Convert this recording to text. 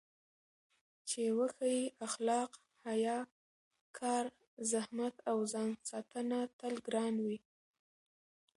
چې وښيي اخلاق، حیا، کار، زحمت او ځانساتنه تل ګران وي.